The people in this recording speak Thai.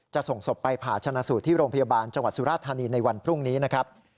ส่งศพไปผ่าชนะสูตรที่โรงพยาบาลจังหวัดสุราธานีในวันพรุ่งนี้นะครับ